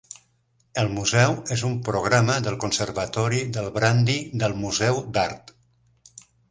El museu és un programa del Conservatori del Brandi del Museu d'Art.